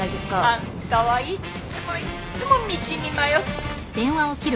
あんたはいっつもいっつも道に迷っ。